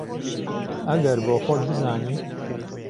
ئهگهر بۆ خۆت بزانی